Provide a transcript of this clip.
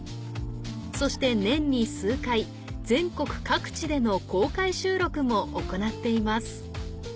そして年に数回全国各地での公開収録も行っています